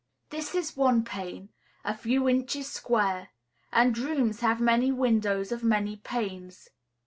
This is one pane, a few inches square; and rooms have many windows of many panes.